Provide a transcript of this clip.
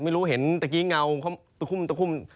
ไม่รู้เห็นเมื่อกี้เงาตุ๊กคุ้ม